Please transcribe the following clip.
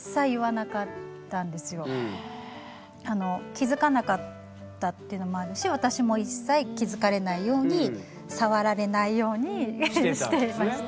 気付かなかったっていうのもあるし私も一切気付かれないように触られないようにしていました。